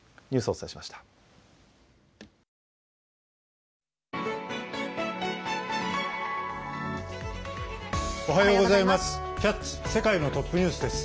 おはようございます。